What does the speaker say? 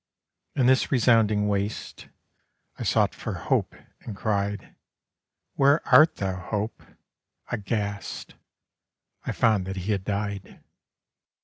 In this resounding Waste I sought for Hope, and cried, 'Where art thou, Hope?'—Aghast, I found that he had died.